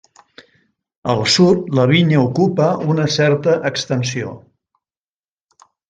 Al sud la vinya ocupa una certa extensió.